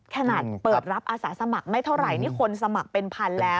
ขนาดเปิดรับอาสาสมัครไม่เท่าไหร่นี่คนสมัครเป็นพันแล้ว